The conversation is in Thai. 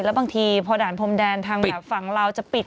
แล้วบางทีพอด่านพรมแดนทางแบบฝั่งลาวจะปิด